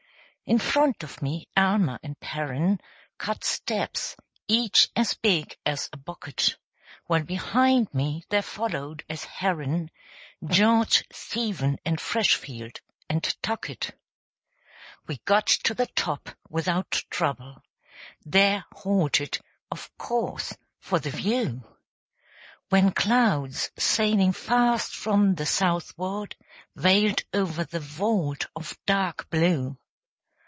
In front of me Almer and Perren Cut steps, each as big as a bucket; While behind me there followed, as Herren, George, Stephen, and Freshfield, and Tuckett. We got to the top without trouble; There halted, of course, for the view; When clouds, sailing fast from the southward, Veiled over the vault of dark blue.